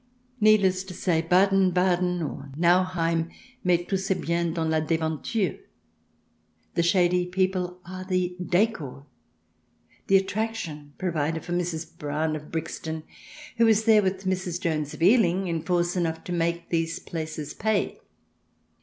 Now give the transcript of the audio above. Needless to sa}'^, Baden Baden or Nau heim "met tout ses biens dans la devanture." The shady people are the decor^ the attraction provided for Mrs. Brown of Brixton, who is there, with Mrs. Jones of Ealing, in force enough to make these places pay.